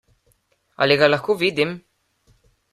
Ali ga lahko vidim?